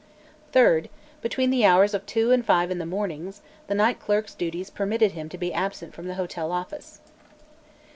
Third, between the hours of two and five in the mornings, the night clerk's duties permitted him to be absent from the hotel office.